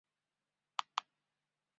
色木槭是无患子科槭属的植物。